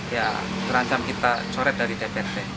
ya terancam kita coret dari dprd